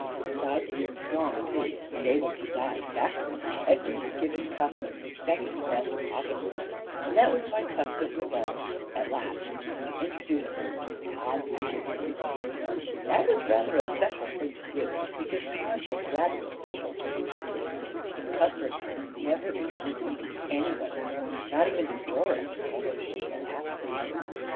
Besides being strong too, and able to dive backward, Edward had given Cuthbert his second best pocket knife; and that was why Cuthbert resolved at last to introduce him to Tod the Gipsy. That was rather a special thing to do, because Tod was rather a special sort of gipsy; and Cuthbert had never introduced him to anybody, not even to Doris, although she had asked him to.